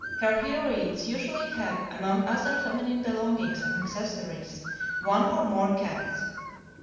Her heroines usually have, among other feminine belongings and accessories, one or more cats.